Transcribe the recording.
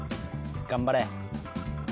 ・頑張れ。